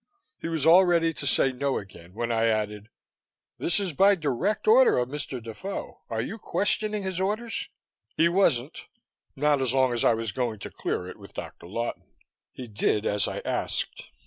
He was all ready to say no again when I added: "This is by direct order of Mr. Defoe. Are you questioning his orders?" He wasn't not as long as I was going to clear it with Dr. Lawton. He did as I asked.